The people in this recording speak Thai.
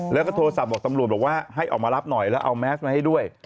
แล้วก็โทรศัพท์บอกตำรวจบอกว่าให้ออกมารับหน่อยแล้วเอาแมสมาให้ด้วย